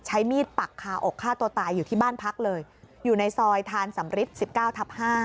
ใช้มีดปักคาอกฆ่าตัวตายอยู่ที่บ้านพักเลยอยู่ในซอยทานสำริท๑๙ทับ๕